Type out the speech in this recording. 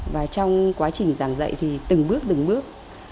và trong quá trình giảng dạy thì từng bước từng bước